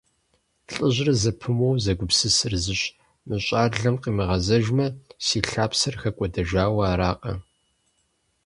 ЛӀыжьыр зэпымыууэ зэгупсысыр зыщ: «Мы щӀалэм къимыгъэзэжмэ, си лъапсэр хэкӀуэдэжауэ аракъэ?».